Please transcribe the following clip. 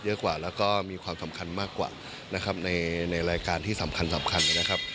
เยอะกว่าแล้วก็มีความสำคัญมากกว่านะครับในในรายการที่สำคัญนะครับ